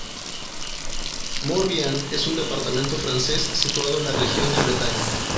Morbihan es un departamento francés situado en la región de Bretaña.